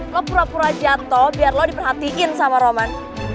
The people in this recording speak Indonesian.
lo pura pura jatuh biar lo diperhatiin sama roman